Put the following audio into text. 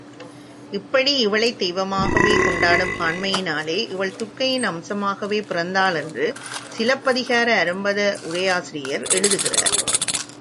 இப்படி இவளைத் தெய்வமாகவே கொண்டாடும் பான்மையினாலே, இவள் துர்க்கையின் அம்சமாகவே பிறந்தாள் என்று சிலப்பதிகார அரும்பத உரையாசிரியர் எழுதுகிறார்.